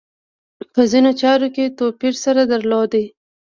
په ځینو چارو کې توپیر سره درلود.